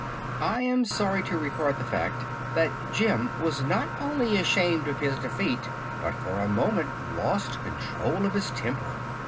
] I am sorry to record the fact that Jim was not only ashamed of his defeat but for a moment lost control of his temper.